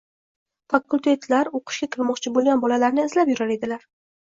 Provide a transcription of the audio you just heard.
Fakultetlar o`qishga kirmoqchi bo`lgan bolalarni izlab yurar edilar